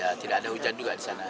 ya tidak ada hujan juga di sana